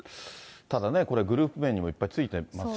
ただね、これ、グループ名にもいっぱい付いていますし。